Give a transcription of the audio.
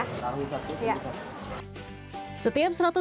tahu satu satu satu